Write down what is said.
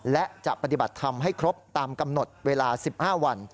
และจะปฏิบัติทำให้ครบตามกำหนดเวลา๑๕วัน